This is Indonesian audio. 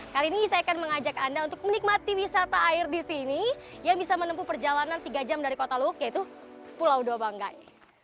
kali ini saya akan mengajak anda untuk menikmati wisata air di sini yang bisa menempuh perjalanan tiga jam dari kota luwuk yaitu pulau dua banggai